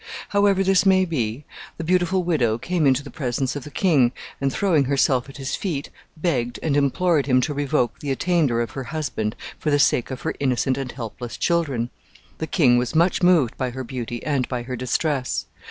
However this may be, the beautiful widow came into the presence of the king, and, throwing herself at his feet, begged and implored him to revoke the attainder of her husband for the sake of her innocent and helpless children. The king was much moved by her beauty and by her distress.